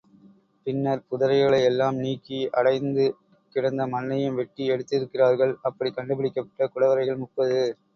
பின்னர் புதர்களை எல்லாம் நீக்கி அடைந்து கிடந்த மண்ணையும் வெட்டி எடுத்திருக்கிறார்கள், அப்படிக் கண்டுபிடிக்கப்பட்ட குடவரைகள் முப்பது.